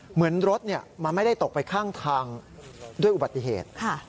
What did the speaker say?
เหมือนรถมันไม่ได้ตกไปข้างทางด้วยอุบัติเหตุ